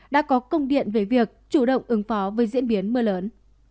đã có công điện về việc chủ động ứng phó với diễn biến mưa lớn